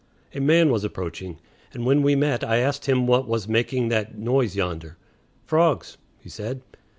A man was approaching, and when we met I asked him what was making that noise yonder. "Frogs," he said.